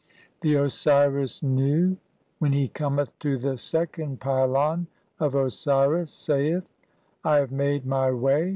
(26) The Osiris Nu, when he cometh to the seventh pylon of Osiris, saith :— "I have made [my] way.